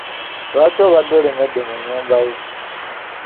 Lwaki obadde olemedde mu nnyumba ye?